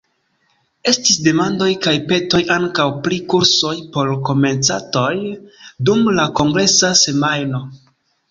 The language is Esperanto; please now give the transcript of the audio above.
Estis demandoj kaj petoj ankaŭ pri kursoj por komencantoj dum la kongresa semajno.